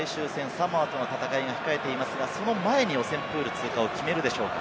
サモアとの戦いが控えていますが、その前に予選プール通過を決めるでしょうか。